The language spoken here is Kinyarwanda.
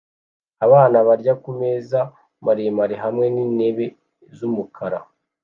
Abana barya kumeza maremare hamwe n'intebe z'umukara